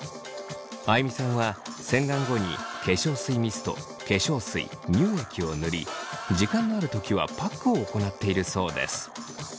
あいみさんは洗顔後に化粧水ミスト化粧水乳液を塗り時間のある時はパックを行っているそうです。